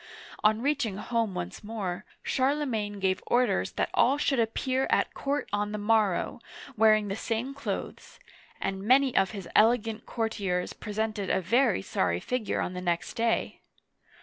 On reaching home once more, Charlemagne gave orders that all should appear at court on the morrow, wearing the same clothes ; and many of his elegant courtiers presented a very sorry figure on the next day